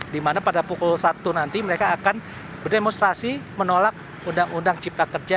di mana pada pukul satu nanti mereka akan berdemonstrasi menolak undang undang cipta kerja